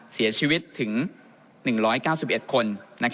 เสียชีวิตถึง๑๙๑คน